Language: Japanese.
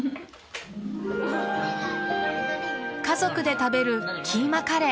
家族で食べるキーマカレー。